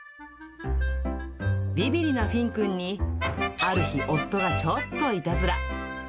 びびりなフィンくんに、ある日、夫がちょっといたずら。